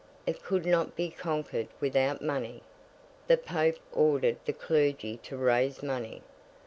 It could not be conquered without money. The Pope ordered the clergy to raise money.